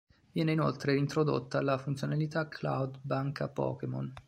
Viene inoltre introdotta la funzionalità cloud Banca Pokémon.